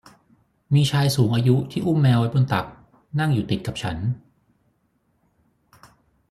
มีชายสูงอายุที่อุ้มแมวไว้บนตักนั่งอยู่ติดกับฉัน